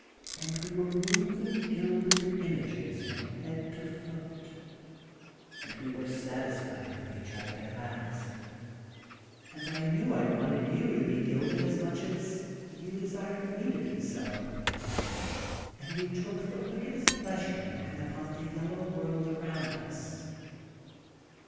And we were moving, gilded images from head to feet, and we were satisfied with each other at last, and I knew I wanted you to be gilded as much as you desired me to be so, and we took the wickedest pleasure in looking upon the yellow world around us."